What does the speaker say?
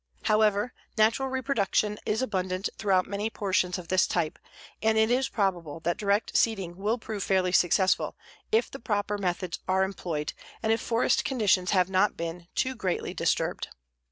However, natural reproduction is abundant throughout many portions of this type, and it is probable that direct seeding will prove fairly successful if the proper methods are employed and if forest conditions have not been too greatly disturbed.